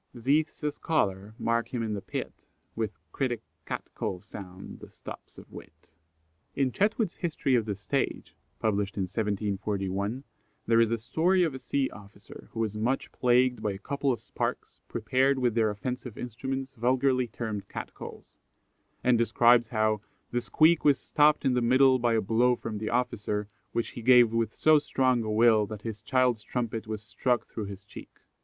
Zethe's a scholar mark him in the pit, With critic Cat call sound the stops of wit." In Chetwood's History of the Stage (1741), there is a story of a sea officer who was much plagued by "a couple of sparks, prepared with their offensive instruments, vulgarly termed Cat calls;" and describes how "the squeak was stopped in the middle by a blow from the officer, which he gave with so strong a will that his child's trumpet was struck through his cheek."